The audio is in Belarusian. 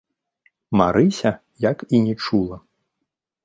Марыся як і не чула.